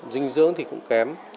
dinh dưỡng thì cũng kém